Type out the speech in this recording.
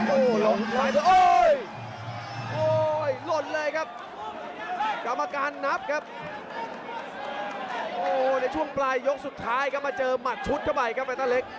โอ้โหไปลากครับมาครับปืนหรือยังครับจนได้แบตเตอร์เล็ก